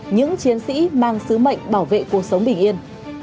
những chiến sĩ mang sứ mệnh bảo vệ cuộc sống bình yên